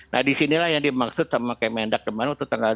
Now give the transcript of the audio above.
nah di sinilah yang dimaksud sama kmn dark the manu itu tanggal dua puluh